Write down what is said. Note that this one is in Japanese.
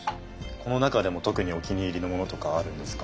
この中でも特にお気に入りのものとかあるんですか？